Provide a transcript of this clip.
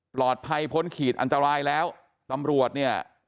ปลอดภัยพ้นขีดอันตรายแล้วตำรวจเนี่ย